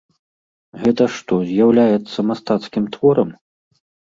Гэта што, з'яўляецца мастацкім творам?